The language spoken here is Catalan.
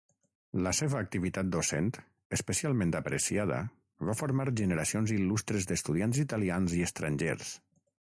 La seva activitat docent, especialment apreciada, va formar generacions il·lustres d'estudiants italians i estrangers.